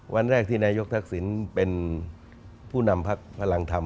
วันแรกที่นายกทักษิณเป็นผู้นำพักพลังธรรม